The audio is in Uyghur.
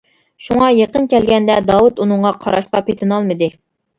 شۇڭا يېقىن كەلگەندە داۋۇت ئۇنىڭغا قاراشقا پېتىنالمىدى.